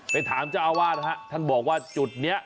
ถามเจ้าอาวาสฮะท่านบอกว่าจุดนี้